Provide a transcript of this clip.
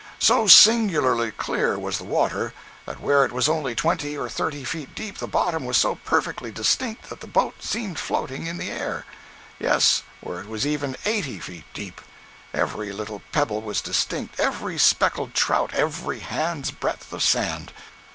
So singularly clear was the water, that where it was only twenty or thirty feet deep the bottom was so perfectly distinct that the boat seemed floating in the air! Yes, where it was even eighty feet deep. Every little pebble was distinct, every speckled trout, every hand's breadth of sand.